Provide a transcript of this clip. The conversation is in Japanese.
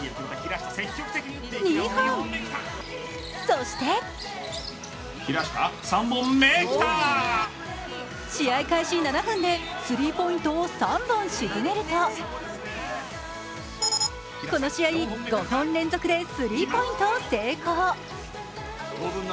そして、試合開始７分でスリーポイントを３本沈めるとこの試合、５本連続でスリーポイントを成功。